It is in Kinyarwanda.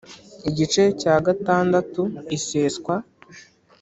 igice cya gatandatu iseswa